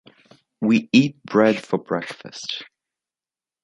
We eat bread for breakfast.